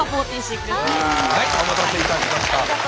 はいお待たせいたしました。